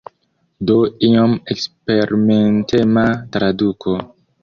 Do iom eksperimentema traduko.